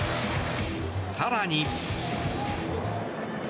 更に。